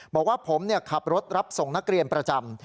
บอกว่าผมขับรถรับส่งนักเรียนประจำ